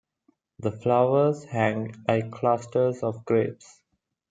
The flowers hang like clusters of grapes.